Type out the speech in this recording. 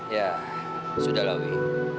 ya sudah lah wih